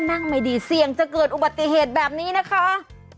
ไม่ดีเสี่ยงจะเกิดอุบัติเหตุแบบนี้นะคะ